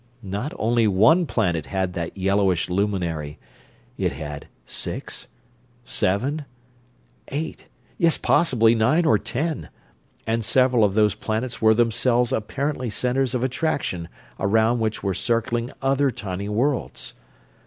Not only one planet had that yellowish luminary it had six, seven, eight; yes, possibly nine or ten; and several of those planets were themselves apparently centers of attraction around which were circling other tiny worlds!